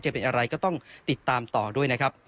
จะเป็นอะไรก็ต้องติดตามต่อด้วยนะครับ